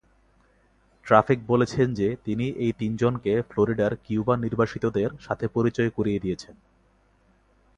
Traffic বলেছেন যে তিনি এই তিনজনকে ফ্লোরিডার কিউবান নির্বাসিতদের সাথে পরিচয় করিয়ে দিয়েছেন।